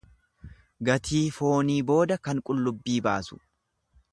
Gatii foonii booda kan qullubbii baasu.